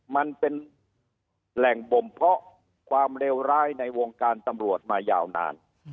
มันเป็นแหล่งบ่มเพาะความเลวร้ายในวงการตำรวจมายาวนาน